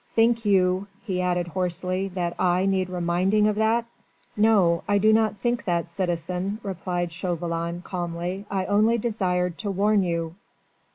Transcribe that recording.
"Think you," he added hoarsely, "that I need reminding of that?" "No. I do not think that, citizen," replied Chauvelin calmly, "I only desired to warn you."